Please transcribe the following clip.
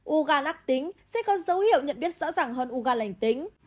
u gan ác tính sẽ có dấu hiệu nhận biết rõ ràng hơn u gan lành tính